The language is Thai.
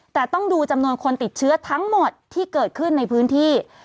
แต่ต้องดูจำนวนคนติดเชื้อทั้งหมดที่เกิดขึ้นในพื้นที่